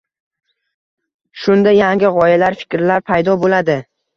Shunda yangi g‘oyalar, fikrlar paydo bo‘ladi.